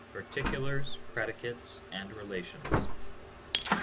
PARTICULARS, PREDICATES, AND RELATIONS.